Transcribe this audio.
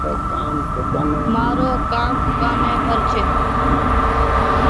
مآرو ڪآم دڪآن ني پر ڇي